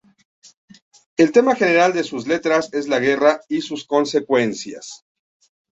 El tema general de sus letras es la guerra y sus consecuencias.